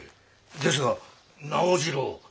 ですが直次郎仙蔵